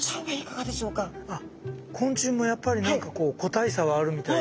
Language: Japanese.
あっ昆虫もやっぱり何か個体差はあるみたいですよ。